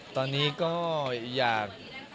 ตอนนี้ก็อยาก